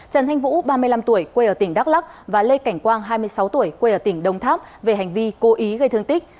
trần thanh vũ ba mươi năm tuổi quê ở tỉnh đắk lắc và lê cảnh quang hai mươi sáu tuổi quê ở tỉnh đông tháp về hành vi cố ý gây thương tích